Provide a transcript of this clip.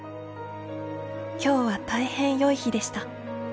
今日は大変よい日でした。